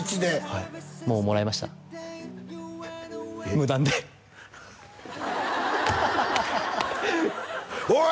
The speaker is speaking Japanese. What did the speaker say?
はいもうもらいました無断でおい！